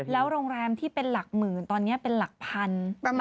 แล้วโรงแรมที่เป็นหลักหมื่นตอนนี้เป็นหลักพัน